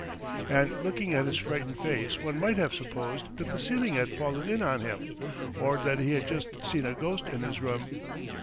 And looking at his frightened face one might have supposed that the ceiling had fallen in on him or that he had just seen a ghost in his room.